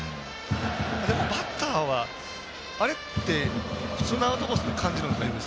でもバッターはあれって、普通のアウトコースに感じるんですか？